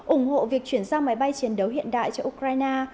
ủng hộ việc chuyển sang máy bay chiến đấu hiện đại cho ukraine